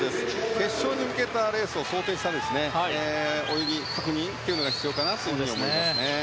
決勝に向けたレースを想定した泳ぎ、確認が必要だと思います。